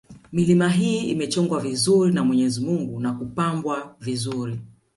Milima hii imechongwa vizuri na mwenyezi Mungu na kupanbwa vizuri